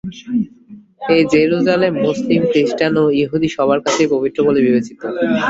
এই জেরুজালেম মুসলিম, খ্রিষ্টান ও ইহুদি সবার কাছেই পবিত্র বলে বিবেচিত।